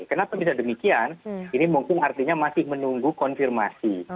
kenapa bisa demikian ini mungkin artinya masih menunggu konfirmasi